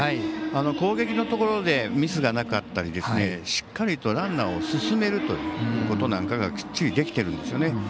攻撃のところでミスがなかったりしっかりとランナーを進めることがきっちりできているんですよね。